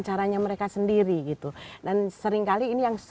caranya mereka sendiri gitu dan seringkali ini yang